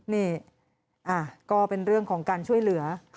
นี่ก็เป็นเรื่องของการช่วยเหลือ